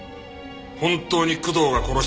本当に工藤が殺したのか？